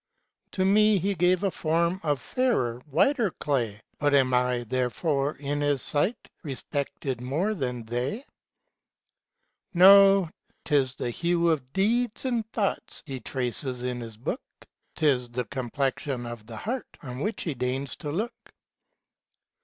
To me He gave a form Of fidrer, whiter clay ; Bnt am I, therefore, in his sight, Respected more than they ? No ;— 't is the hue of deeds and thoughts He traces in his book ; *T is the complexion of the heart On which He deigns to look.